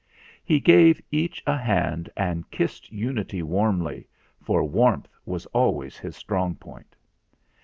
He gave each a hand and kissed Unity warmly, for warmth was always his strong point.